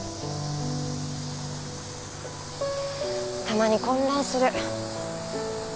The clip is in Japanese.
たまに混乱する。